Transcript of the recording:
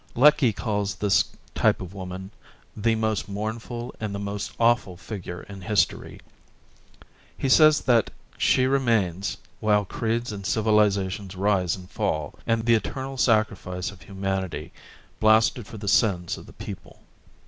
Lecky calls this type of woman "the most mournful and the most awful figure in history": he says that "she remains, while creeds and civilizations rise and fall, the eternal sacrifice of humanity, blasted for the sins of the people."